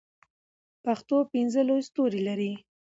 پښتو پنځه لوی ستوري لري.